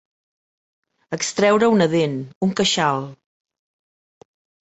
Extreure una dent, un queixal.